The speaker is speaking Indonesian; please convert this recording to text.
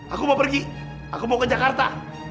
aku mau pergi aku mau ke jakarta